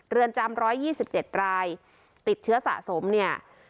เรือนจำร้อยยี่สิบเจ็ดรายติดเชื้อสะสมเนี่ย